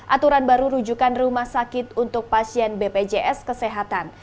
aturan baru rujukan rumah sakit untuk pasien bpjs kesehatan